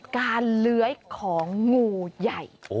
เลื้อยของงูใหญ่